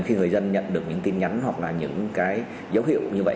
khi người dân nhận được những tin nhắn hoặc những dấu hiệu như vậy